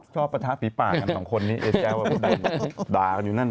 ชอบประทะฟีบบ้านของคนนี้ไอ้แจ๊ว